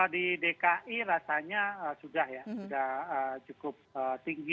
di dki rasanya sudah ya sudah cukup tinggi